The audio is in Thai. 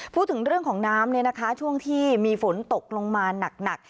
พูดถึงเรื่องของน้ำช่วงที่มีฝนตกลงมาหนัก